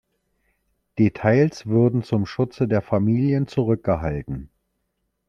Details würden zum Schutze der Familien zurückgehalten.